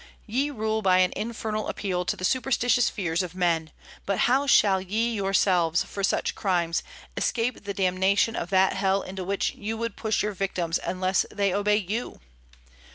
Ye rule by an infernal appeal to the superstitious fears of men; but how shall ye yourselves, for such crimes, escape the damnation of that hell into which you would push your victims unless they obey you?